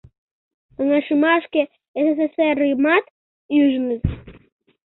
Каҥашымашке СССР-ымат ӱжыныт.